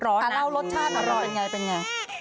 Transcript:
แล้วรสชาติเป็นยังไง